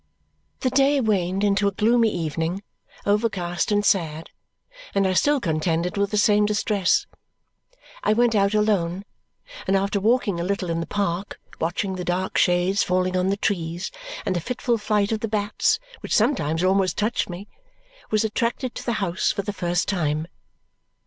The day waned into a gloomy evening, overcast and sad, and I still contended with the same distress. I went out alone, and after walking a little in the park, watching the dark shades falling on the trees and the fitful flight of the bats, which sometimes almost touched me, was attracted to the house for the first time.